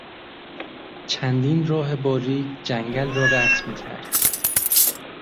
چندین راه باریک جنگل را قطع میکرد.